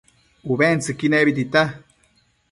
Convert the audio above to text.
ubentsëcquio nebi tita